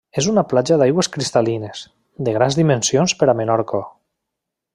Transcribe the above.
És una platja d'aigües cristal·lines, de grans dimensions per a Menorca.